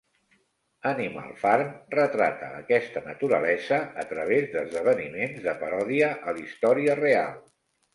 "Animal Farm" retrata aquesta naturalesa a través d'esdeveniments de paròdia a la història real.